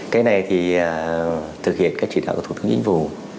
cái này thì thực hiện các chỉ đạo của thủ tướng chính phủ